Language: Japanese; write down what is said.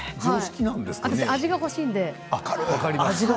私は味が欲しいんで。